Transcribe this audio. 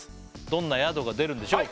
どんな宿が出るんでしょう